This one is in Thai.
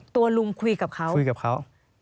ตัวลุงคุยกับเขา